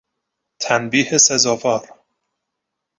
تنبیه سزاوار